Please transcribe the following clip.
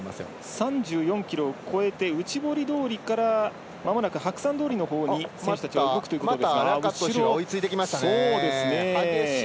３４ｋｍを超えて内堀通りからまもなく白山通りのほうに選手たちが動くというところです。